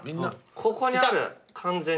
ここにある完全に。